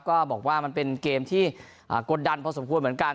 ก็บอกว่ามันเป็นเกมที่กดดันพอสมควรเหมือนกัน